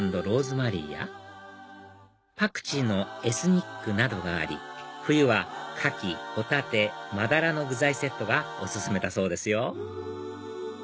ローズマリーやパクチーのエスニックなどがあり冬はカキホタテマダラの具材セットがお薦めだそうですよ